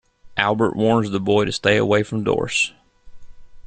Albert warns the boy to stay away from Doris.